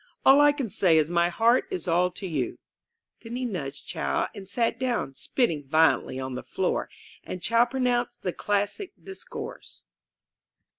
All I can say is my heart is all to you.'* Then he nudged Chao and sat down, spitting violently on the floor ; and Chao pronounced the classic discourse.